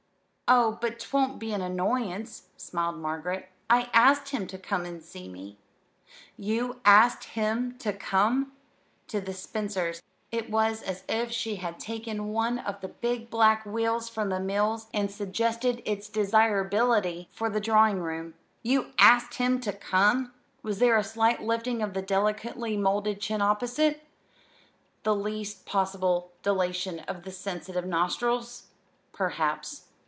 "Oh, but 'twon't be an annoyance," smiled Margaret. "I asked him to come and see me." "You asked him to come!" To the Spencers it was as if she had taken one of the big black wheels from the mills and suggested its desirability for the drawing room. "You asked him to come!" Was there a slight lifting of the delicately moulded chin opposite? the least possible dilation of the sensitive nostrils? Perhaps.